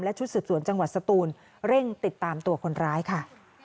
ชุดสืบสวนจังหวัดสตูนเร่งติดตามตัวคนร้ายค่ะ